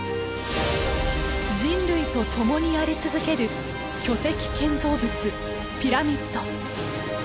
人類とともにあり続ける巨石建造物ピラミッド。